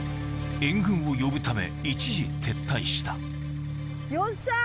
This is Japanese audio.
援軍を呼ぶため一時撤退したよっしゃ！